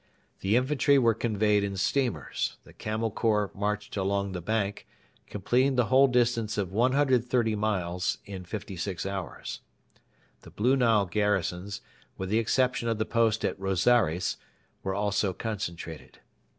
The infantry were conveyed in steamers; the Camel Corps marched along the bank, completing the whole distance of 130 miles in fifty six hours. The Blue Nile garrisons, with the exception of the post at Rosaires, were also concentrated.